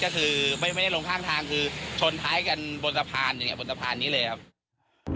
ก็คือไม่ได้ลงข้างทางคือชนท้ายกันบนสะพานเนี่ยบนสะพานนี้เลยครับ